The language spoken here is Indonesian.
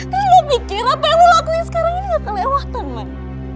kan lo pikir apa yang lo lakuin sekarang ini gak kelewatan man